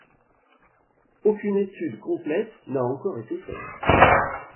Aucune étude complète n'a encore été faite.